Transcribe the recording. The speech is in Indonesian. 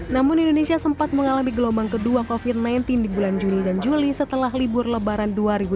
namun indonesia sempat mengalami gelombang kedua covid sembilan belas di bulan juli dan juli setelah libur lebaran dua ribu dua puluh